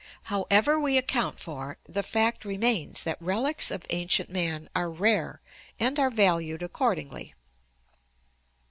However we account for it, the fact remains that relics of ancient man are rare and are valued ac cordingly.